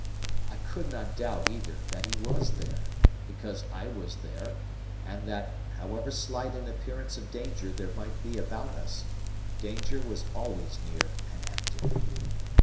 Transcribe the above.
I could not doubt, either, that he was there, because I was there, and that, however slight an appearance of danger there might be about us, danger was always near and active.